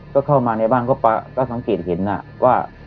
ก็เข้ามาในบ้านก็สังเกตเห็นว่า